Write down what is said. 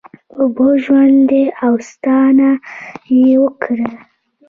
اوبه ژوند دی او ساتنه یې وکړی